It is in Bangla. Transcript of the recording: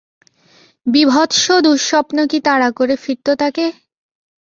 বীভৎস দুঃস্বপ্ন কি তাড়া করে ফিরত তাকে?